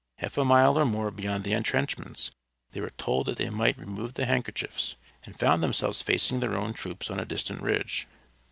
Half a mile or more beyond the entrenchments they were told that they might remove the handkerchiefs, and found themselves facing their own troops on a distant ridge.